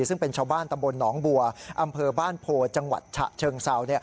ซึ่งเป็นชาวบ้านตำบลหนองบัวอำเภอบ้านโพจังหวัดฉะเชิงเซา